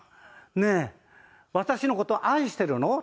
ねえ私の事愛してるの？」